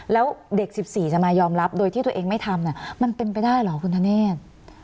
แล้วเด็ก๑๔จะมายอมรับโดยที่ตัวเองไม่ทำมันเป็นไปได้เหรอคุณธเนธ